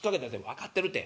「分かってるて。